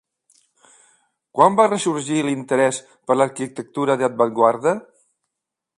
Quan va ressorgir l'interès per l'arquitectura d'avantguarda?